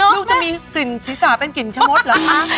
ลูกจะมีกลิ่นศีรษะเป็นกลิ่นชะมดเหรอคะ